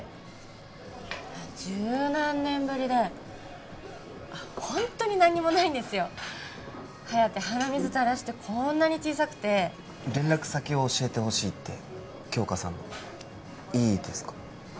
十何年ぶりでホントに何もないんですよ颯鼻水たらしてこんなに小さくて連絡先を教えてほしいって杏花さんのいいですか？